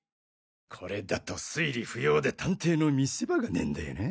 これだと推理不要で探偵の見せ場がねぇんだよな。